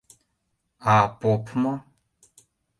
А поп мо?..